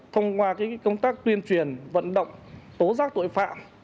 thông qua công tác tuyên truyền vận động tố giác tội phạm